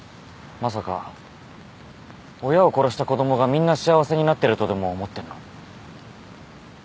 まさか親を殺した子供がみんな幸せになってるとでも思ってんの？